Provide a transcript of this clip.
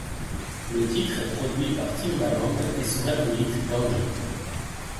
Le titre est produit par Timbaland et son acolyte Danja.